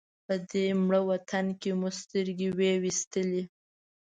په دې مړ وطن کې مو سترګې وې وېستلې.